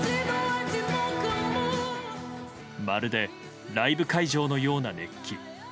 まるでライブ会場のような熱気。